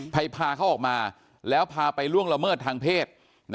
พาเขาออกมาแล้วพาไปล่วงละเมิดทางเพศ